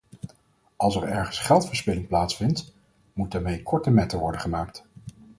Als er ergens geldverspilling plaatsvindt, moet daarmee korte metten worden gemaakt.